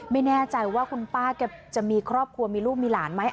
ไม่แน่ใจว่าคุณป้าแกจะมีครอบครัวมีลูกมีหลานไหม